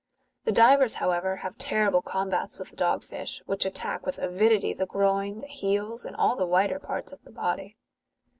The divers, however, have terrible combats with the dog fish, which attack ^\ ith avidity the groin, the heels, and all the whiter parts of the body.